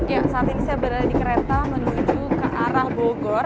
ya saat ini saya berada di kereta menuju ke arah bogor